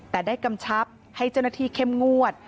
แต่ได้กำชับให้เจ้าหน้าที่เข้มงวด